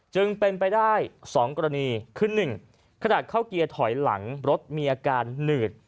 จึงเป็นไปได้๒กรณีคือ๑ขนาดเข้าเกียร์ถอยหลังรถมีอาการหนืด